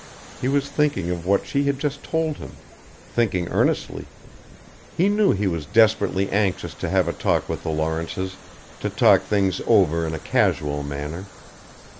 He was thinking of what she had just told him thinking earnestly. He knew he was desperately anxious to have a talk with the Lawrences, to talk things over in a casual manner.